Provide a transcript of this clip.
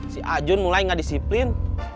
si ajun mulai nggak disiplin